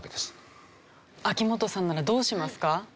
秋元さんならどうしますか？